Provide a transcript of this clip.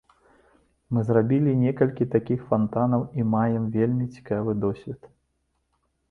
Мы зрабілі некалькі такіх фантанаў і маем вельмі цікавы досвед.